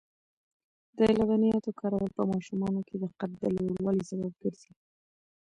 د لبنیاتو کارول په ماشومانو کې د قد د لوړوالي سبب ګرځي.